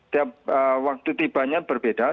tiap waktu tibanya berbeda